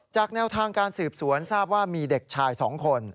แนวทางการสืบสวนทราบว่ามีเด็กชาย๒คน